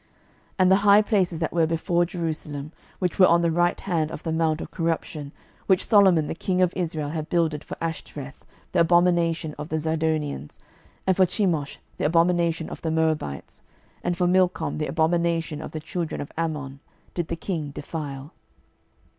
12:023:013 And the high places that were before Jerusalem, which were on the right hand of the mount of corruption, which Solomon the king of Israel had builded for Ashtoreth the abomination of the Zidonians, and for Chemosh the abomination of the Moabites, and for Milcom the abomination of the children of Ammon, did the king defile.